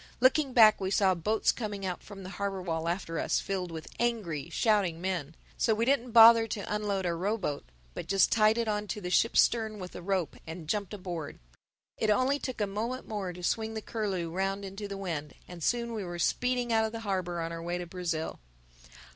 Looking back we saw boats coming out from the harbor wall after us, filled with angry, shouting men. So we didn't bother to unload our rowboat but just tied it on to the ship's stern with a rope and jumped aboard. It only took a moment more to swing the Curlew round into the wind; and soon we were speeding out of the harbor on our way to Brazil.